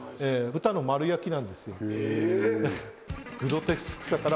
豚の丸焼きなんですよえ！